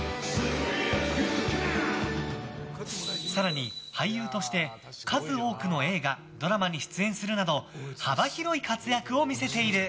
更に、俳優として数多くの映画・ドラマに出演するなど幅広い活躍を見せている。